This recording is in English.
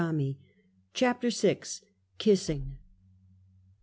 49 CHAPTER VI. ^ Kissing.